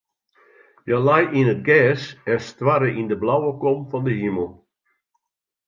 Hja lei yn it gjers en stoarre yn de blauwe kom fan de himel.